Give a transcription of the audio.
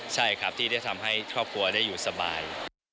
ใช่ครับที่ได้ทำให้ครอบครัวได้อยู่สบาย